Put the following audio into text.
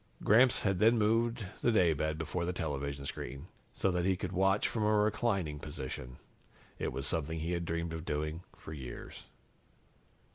Gramps had then moved the daybed before the television screen, so that he could watch from a reclining position. It was something he'd dreamed of doing for years.